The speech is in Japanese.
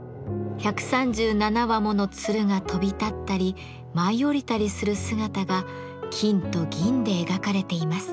１３７羽もの鶴が飛び立ったり舞い降りたりする姿が金と銀で描かれています。